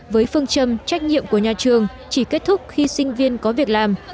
với phương châm trách nhiệm của nhà trường chỉ kết thúc khi sinh viên có việc làm